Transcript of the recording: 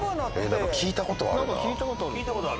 聞いたことはあるな。